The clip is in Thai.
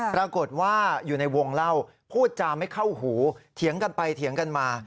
ปรากฏว่าอยู่ในวงเล่าพูดจาไม่เข้าหูเถียงกันไปเถียงกันมา